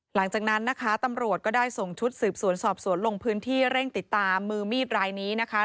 หลังจากนั้นนะคะตำรวจก็ได้ส่งชุดสืบสวนสอบสวนลงพื้นที่เร่งติดตามมือมีดรายนี้นะคะ